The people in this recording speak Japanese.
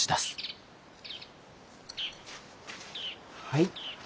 はい。